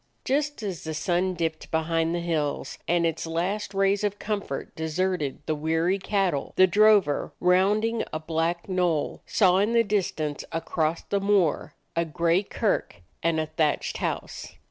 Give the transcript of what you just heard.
Just as the sun dipped behind the hills and its last rays of comfort deserted the weary cattle, the drover, rounding a black knoll, saw in the distance across the moor a gray kirk and a thatched house.